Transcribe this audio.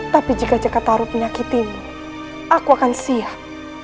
tapi jika cakataru penyakitimu aku akan siap